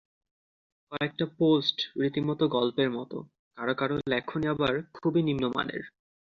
কয়েকটা পোস্ট রীতিমতো গল্পের মতো, কারও কারও লেখনী আবার খুবই নিম্নমানের।